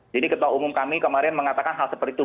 jadi ketua umum kami kemarin mengatakan hal seperti itu